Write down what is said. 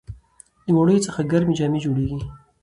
د وړیو څخه ګرمې جامې جوړیږي.